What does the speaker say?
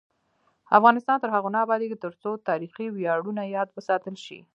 افغانستان تر هغو نه ابادیږي، ترڅو تاریخي ویاړونه یاد وساتل شي.